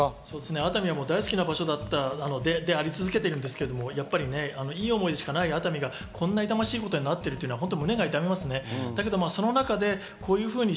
熱海は大好きな場所であり続けているんですけど、いい思い出しかない熱海がこんな痛ましいことになっているのは胸が痛みます。